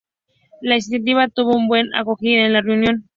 La iniciativa tuvo muy buena acogida en la reunión.